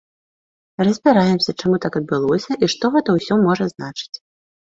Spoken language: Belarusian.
Разбіраемся, чаму так адбылося і што гэта ўсё можа значыць.